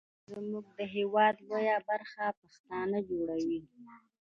زمونږ د هیواد لویه برخه پښتانه جوړوي.